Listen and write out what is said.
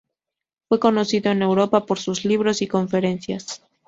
Fue conocido en Europa por sus libros y conferencias.